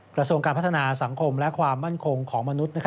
กระทรวงการพัฒนาสังคมและความมั่นคงของมนุษย์